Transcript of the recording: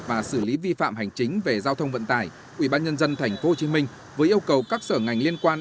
và xử lý vi phạm hành chính về giao thông vận tải ubnd tp hcm với yêu cầu các sở ngành liên quan